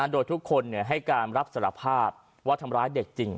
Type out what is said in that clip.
โดยทุกคนให้การรับสารภาพว่าทำร้ายเด็กจริง